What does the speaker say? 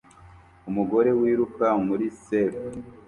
Umugore wiruka muri serf